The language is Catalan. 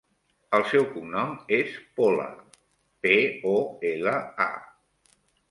El seu cognom és Pola: pe, o, ela, a.